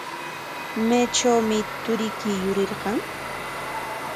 ¿Maytrawmi turiyki yurirqan?